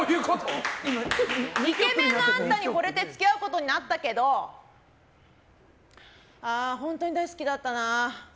イケメンのあんたにほれて付き合うことになったけどああ、本当に大好きだったな。